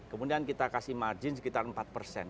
kemudian kita kasih margin sekitar empat persen